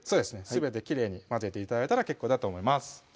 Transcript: すべてきれいに混ぜて頂いたら結構だと思います